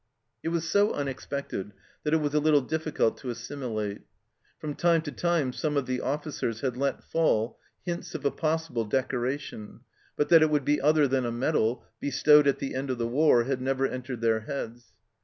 It was so unexpected that it was a little difficult to assimilate. From time to time some of the officers had let fall hints of a possible decoration, but that it would be other than a medal, bestowed at the end of the war, had never entered their heads.